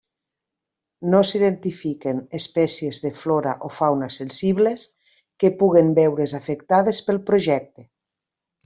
No s'identifiquen espècies de flora o fauna sensibles que puguen veure's afectades pel projecte.